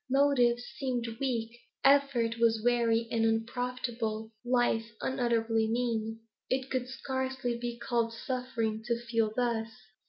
Motives seemed weak; effort was weary and unprofitable; life unutterably mean. It could scarcely be called suffering, to feel thus.